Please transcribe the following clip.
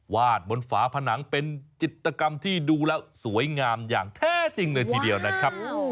บนฝาผนังเป็นจิตกรรมที่ดูแล้วสวยงามอย่างแท้จริงเลยทีเดียวนะครับ